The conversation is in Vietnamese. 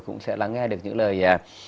cũng sẽ lắng nghe được những lời